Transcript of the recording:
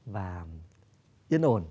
và yên ổn